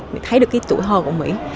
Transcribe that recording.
mình thấy được cái tuổi thơ của mỹ